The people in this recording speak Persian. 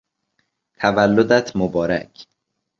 تولدت مبارک!